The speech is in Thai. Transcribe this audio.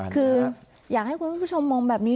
คืออยากให้คุณผู้ชมมองแบบนี้